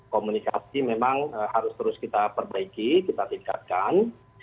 komunikasi memang harus terus kita perbaiki kita tingkatkan